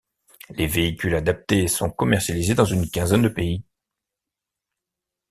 Les véhicules adaptés sont commercialisés dans une quinzaine de pays.